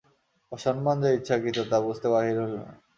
অসম্মান যে ইচ্ছাকৃত তা বুঝতে বাকি রইল না।